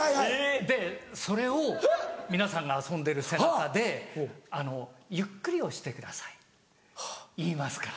でそれを皆さんが遊んでる背中で「ゆっくり押してください言いますから」。